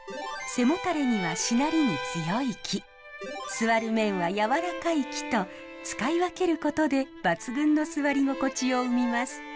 背もたれにはしなりに強い木座る面はやわらかい木と使い分けることで抜群の座り心地を生みます。